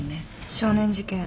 少年事件